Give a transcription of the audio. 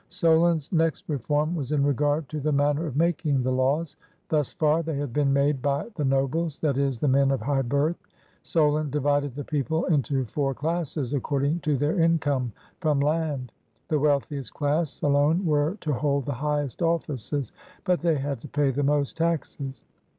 Solon's next reform was in regard to the manner of 57 GREECE making the laws. Thus far, they had been made by the nobles, that is, the men of high birth. Solon divided the people into four classes according to their income from land. The wealthiest class alone were to hold the highest offices ; but they had to pay the most taxes.